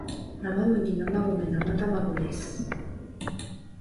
生麦生米生卵です